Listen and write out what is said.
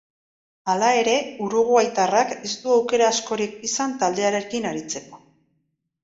Hala ere, uruguaitarrak ez du aukera askorik izan taldearekin aritzeko.